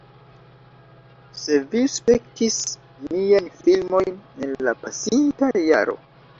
Se vi spektis miajn filmojn en la pasinta jaro